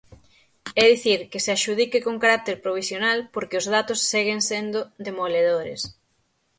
É dicir, que se adxudique con carácter provisional, porque os datos seguen sendo demoledores.